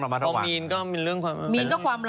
พอมีนก็เป็นเรื่องความรัก